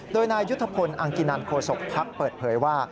โดยนายยุทธพลอังกินันโฆษกภักดิ์เปิดเผยว่า